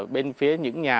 bên phía những nhà